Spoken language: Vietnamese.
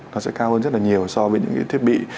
nó sẽ cao hơn rất là nhiều so với những cái thiết bị